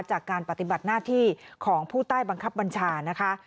จากการปฏิบัติหน้าที่ของผู้ใต้บังคับบัญชานะคะ